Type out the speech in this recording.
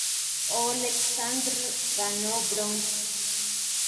Oleksandr ganó bronce.